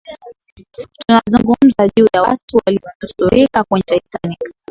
tunazungumza juu ya watu waliyonusurika kwenye titanic